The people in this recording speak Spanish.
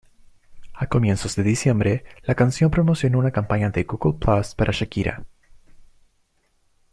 A comienzos de diciembre, la canción promocionó una campaña de Google Plus para Shakira.